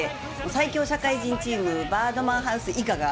最強社会人チーム、バードマンハウスいかが